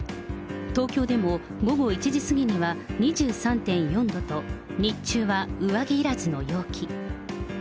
東京でも午後１時過ぎには２３．４度と、日中は上着いらずの陽気。